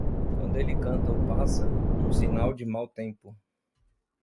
Quando ele canta o pássaro, um sinal de mau tempo.